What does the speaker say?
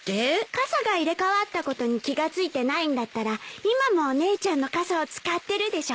傘が入れ替わったことに気が付いてないんだったら今もお姉ちゃんの傘を使ってるでしょ？